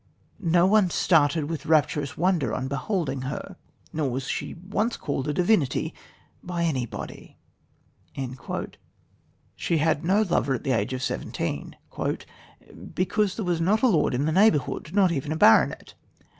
Not one started with rapturous wonder on beholding her...nor was she once called a divinity by anybody." She had no lover at the age of seventeen, "because there was not a lord in the neighbourhood not even a baronet.